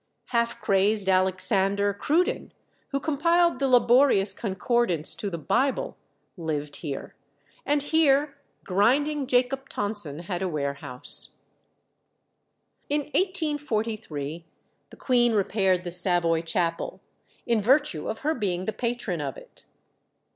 Half crazed Alexander Cruden, who compiled the laborious Concordance to the Bible, lived here; and here grinding Jacob Tonson had a warehouse. In 1843 the Queen repaired the Savoy Chapel, in virtue of her being the patron of it.